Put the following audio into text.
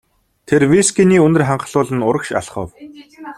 Тэр вискиний үнэр ханхлуулан урагш алхав.